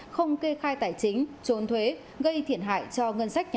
không kê khai tài chính trốn thuế gây thiện hại cho ngân sách nhà